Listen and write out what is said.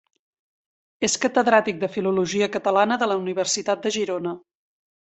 És catedràtic de filologia catalana de la Universitat de Girona.